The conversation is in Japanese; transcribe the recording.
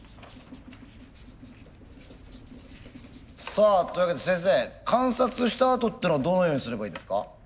さあというわけで先生観察したあとっていうのはどのようにすればいいですか？